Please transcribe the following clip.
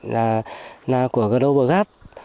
là của grover gáp